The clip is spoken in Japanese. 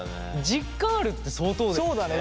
実感あるって相当だよね。